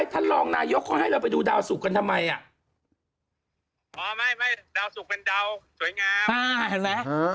ท่านรองนายกเขาให้เราไปดูดาวสุกกันทำไมอ่ะอ๋อไม่ไม่ดาวสุกเป็นดาวสวยงามเห็นไหม